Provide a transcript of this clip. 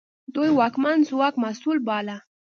دوی واکمن ځواک مسوول باله.